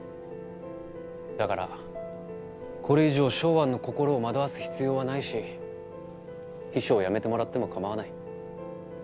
だからこれ以上ショウアンの心を惑わす必要はないし秘書を辞めてもらっても構わない。